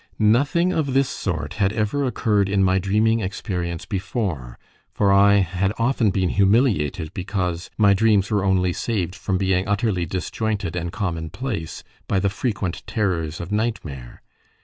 Nothing of this sort had ever occurred in my dreaming experience before, for I had often been humiliated because my dreams were only saved from being utterly disjointed and commonplace by the frequent terrors of nightmare.